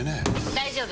大丈夫！